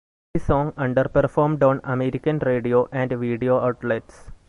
The song underperformed on American radio and video outlets.